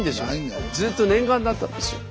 ずっと念願だったんですよ。